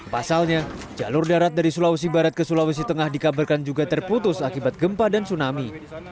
pasalnya jalur darat dari sulawesi barat ke sulawesi tengah dikabarkan juga terputus akibat gempa dan tsunami